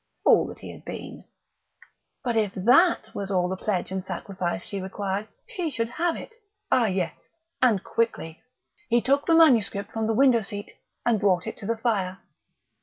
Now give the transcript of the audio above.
Fool that he had been!... But if that was all the pledge and sacrifice she required she should have it ah, yes, and quickly! He took the manuscript from the window seat, and brought it to the fire.